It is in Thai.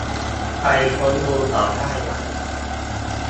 ไปค้นดูของไต้หวัน